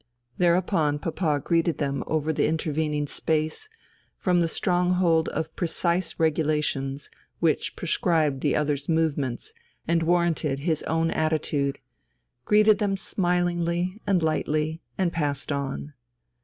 Thereupon papa greeted them over the intervening space, from the stronghold of precise regulations which prescribed the others' movements and warranted his own attitude, greeted them smilingly and lightly and passed on.